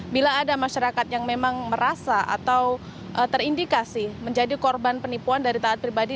bila ada masyarakat yang memang merasa atau terindikasi menjadi korban penipuan dari taat pribadi